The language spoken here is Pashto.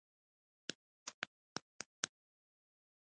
خونړي او تباه کوونکي جنګونه پیل شول.